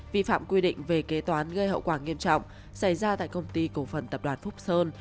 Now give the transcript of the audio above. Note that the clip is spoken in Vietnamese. vi phạm quy định về kế toán gây hậu quả nghiêm trọng xảy ra tại công ty cổ phần tập đoàn phúc sơn